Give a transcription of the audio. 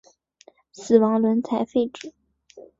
死亡轮才废止。